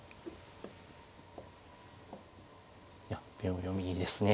いや秒読みですね。